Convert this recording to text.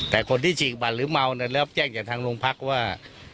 แต่คนที่ฉีกบัตรหรือเมารับแจ้งจากทางโรงพักว่า